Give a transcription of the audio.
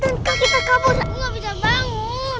enggak apa mystery